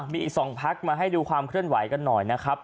มีอีก๒พักมาให้ดูความเคลื่อนไหวกันหน่อยนะครับ